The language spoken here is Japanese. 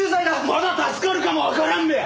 まだ助かるかもわからんべや！